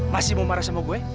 masih mau marah sama gue